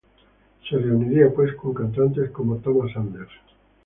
Se reuniría, pues con cantantes como Thomas Anders.